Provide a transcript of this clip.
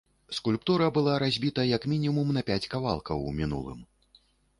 Скульптура была разбіта як мінімум на пяць кавалкаў у мінулым.